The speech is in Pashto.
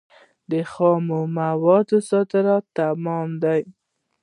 د خامو موادو صادرات تاوان دی.